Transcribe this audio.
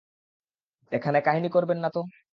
এখানে কাহিনী করবেন না তো।